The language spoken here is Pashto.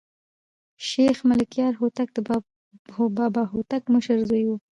شېخ ملکیار هوتک د بابا هوتک مشر زوى وو.